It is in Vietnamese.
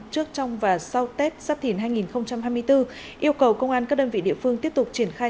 trước trong và sau tết sắp thìn hai nghìn hai mươi bốn yêu cầu công an các đơn vị địa phương tiếp tục triển khai